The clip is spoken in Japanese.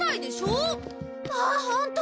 まあホント！